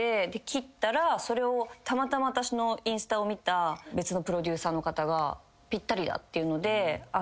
切ったらそれをたまたま私のインスタを見た別のプロデューサーの方がぴったりだっていうので。